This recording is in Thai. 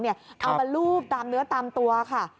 เอามาลูบตามเนื้อตามตัวค่ะ